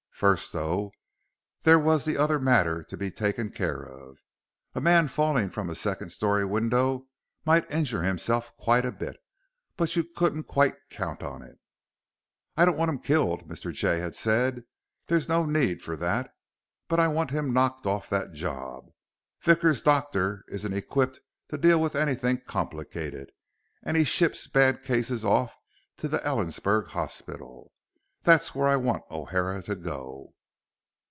First, though, there was the other matter to be taken care of. A man falling from a second story window might injure himself quite a bit, but you couldn't quite count on it. "I don't want him killed," Mr. Jay had said. "There's no need for that. But I want him knocked off that job. Vickers' doctor isn't equipped to deal with anything complicated and he ships bad cases off to the Ellensburg hospital. That's where I want O'Hara to go."